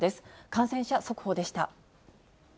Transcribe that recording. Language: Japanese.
感染者速報でした。